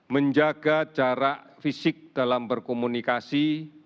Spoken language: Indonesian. menjaga jarak fisik dalam berkomunikasi